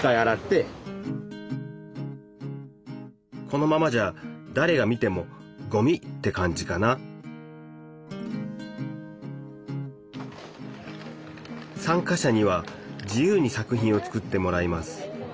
このままじゃだれが見てもごみって感じかな参加者には自由に作品を作ってもらいます。